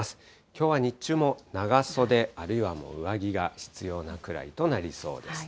きょうは日中も長袖、あるいは上着が必要なくらいとなりそうです。